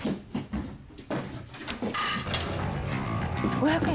５００円？